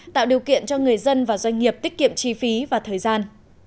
tạo điều kiện cho người dân và doanh nghiệp tiết kiệm chi phí và thời gian